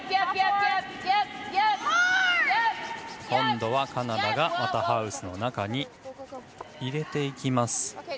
今度はカナダがまたハウスの中に入れていきます。